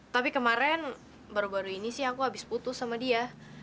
tapi kemarin baru baru ini sih aku habis putus sama dia